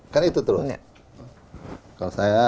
kan itu terurusnya